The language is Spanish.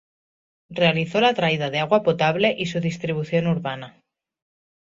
Realizó la traída de agua potable y su distribución urbana.